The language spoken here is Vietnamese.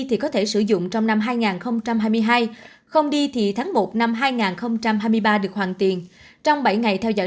được sử dụng trong năm hai nghìn hai mươi hai không đi thì tháng một năm hai nghìn hai mươi ba được hoàn tiền trong bảy ngày theo dõi